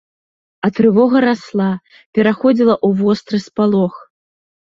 А трывога расла, пераходзіла ў востры спалох.